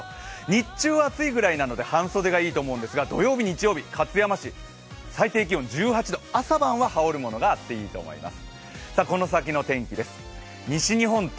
日中は暑いぐらいなので、半袖がいいと思うんですが、土曜日、日曜日、勝山市、朝晩は最低気温１８度、朝晩は羽織るものがあっていいと思います。